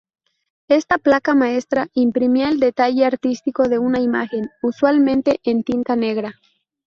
Esta placa maestra imprimía el detalle artístico de una imagen, usualmente en tinta negra.